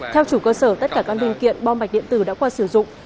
theo chủ cơ sở tất cả các linh kiện bom mạch điện tử đã qua sử dụng